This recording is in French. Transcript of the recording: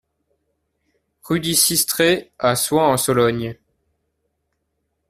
Rue des Sistrées à Soings-en-Sologne